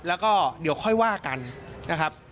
แล้วก็เดี๋ยวค่อยว่ากันนะครับ